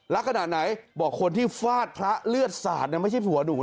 รักขนาดไหนบอกคนที่ฟาดพระเลือดศาสตร์ไม่ใช่ผัวหนูนะ